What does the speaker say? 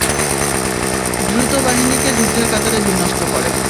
দ্রুত বাহিনীকে যুদ্ধের কাতারে বিন্যস্ত করেন।